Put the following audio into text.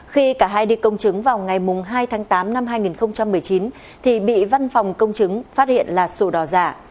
khi cả hai đi công chứng vào ngày hai tháng tám năm hai nghìn một mươi chín thì bị văn phòng công chứng phát hiện là sổ đỏ giả